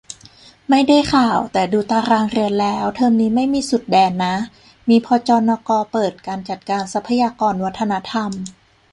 ไม่ได้ข่าว แต่ดูตารางเรียนแล้ว เทอมนี้ไม่มีสุดแดนนะ มี พจนก เปิด 'การจัดการทรัพยากรวัฒนธรรม'